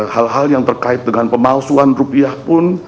hal hal yang terkait dengan pemalsuan rupiah pun